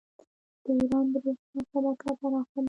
د ایران بریښنا شبکه پراخه ده.